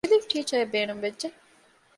ރިލީފް ޓީޗަރ އެއް ބޭނުންވެއްޖެ